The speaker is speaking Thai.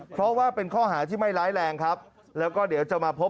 เพราะว่าเป็นข้อหาที่ไม่ร้ายแรงครับแล้วก็เดี๋ยวจะมาพบ